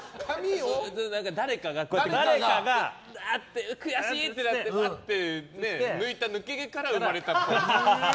誰かがうわー、悔しい！ってなって抜いた抜け毛から生まれた。